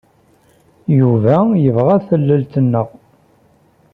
Yuba yebɣa tallalt-nneɣ.